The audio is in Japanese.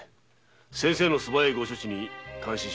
先生の素早いご処置に感心しました。